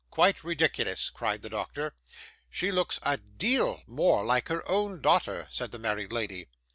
'Quite ridiculous,' cried the doctor. 'She looks a deal more like her own daughter,' said the married lady.